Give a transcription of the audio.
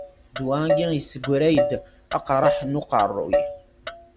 Ddwa-agi yesseggray-d aqraḥ n uqerru.